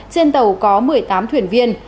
trên tàu có một mươi tám thuyền viên